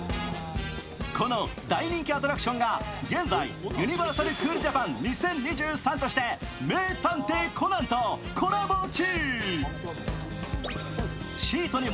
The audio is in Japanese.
この大人気アトラクションが現在、ユニバーサル・クールジャパン２０２３として「名探偵コナン」とコラボ中。